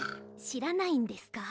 しらないんですか？